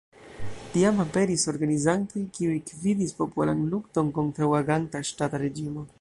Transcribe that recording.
Tiam aperis organizantoj kiuj gvidis popolan lukton kontraŭ aganta ŝtata reĝimo.